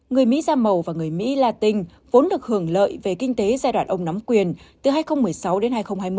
người mỹ da màu và người mỹ latin vốn được hưởng lợi về kinh tế giai đoạn ông nắm quyền từ hai nghìn một mươi sáu đến hai nghìn hai mươi